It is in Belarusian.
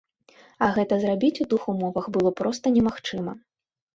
А гэта зрабіць у тых умовах было проста немагчыма.